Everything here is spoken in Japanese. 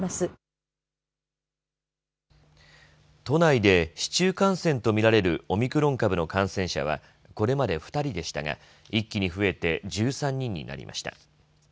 都内で市中感染とみられるオミクロン株の感染者はこれまで２人でしたが一気に増えて１３人になりました。